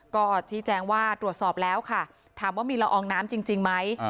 ก็ชี้แจงว่าตรวจสอบแล้วค่ะถามว่ามีละอองน้ำจริงไหม